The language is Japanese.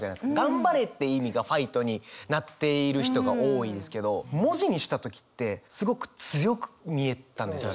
「頑張れ」っていう意味が「ファイト」になっている人が多いんですけど文字にした時ってすごく強く見えたんですよね。